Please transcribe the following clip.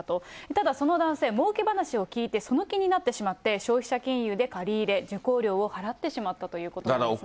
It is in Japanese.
ただ、その男性、儲け話を聞いてその気になってしまって、消費者金融で借り入れ、受講料を払ってしまったということなんですね。